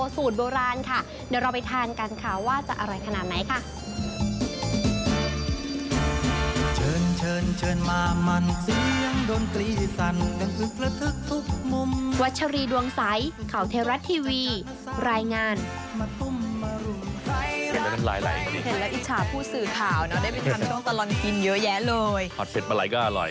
ใส่ผักชีโรยหน้านิดนึงค่ะสวยทาน